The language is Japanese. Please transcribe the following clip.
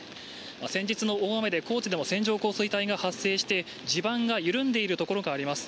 先日の大雨で高知でも線状降水帯が発生して地盤が緩んでいるところがあります。